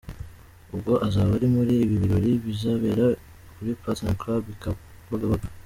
ubwe azaba ari muri ibi birori bizabera kuri Platinum Club i Kibagabaga.